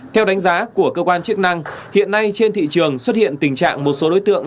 theo đánh giá của cơ quan chức năng hiện nay trên thị trường xuất hiện tình trạng một số đối tượng